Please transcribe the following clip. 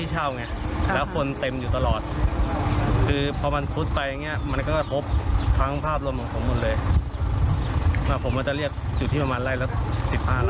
หนึ่งสิบล้านตรีเล่าหลาย๑๕ล้าน